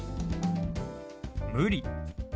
「無理」。